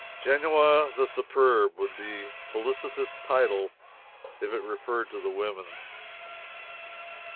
"Genoa the Superb" would be a felicitous title if it referred to the women.